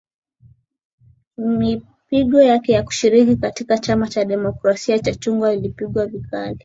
Mipango yake ya kushiriki katika chama cha demokrasia cha chungwa ilipingwa vikali